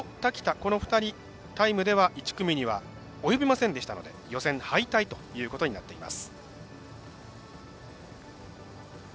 この２人、タイムでは１組にはおよびませんでしたので予選敗退ということになっています。